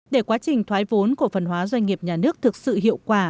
để quá trình thoái vốn cổ phần hóa doanh nghiệp nhà nước thực sự hiệu quả